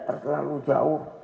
tidak terlalu jauh